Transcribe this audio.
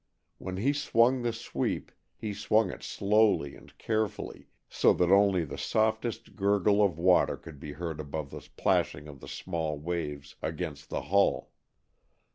When he swung the sweep he swung it slowly and carefully, so that only the softest gurgle of water could be heard above the plashing of the small waves against the hull.